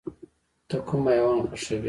ته کوم حیوان خوښوې؟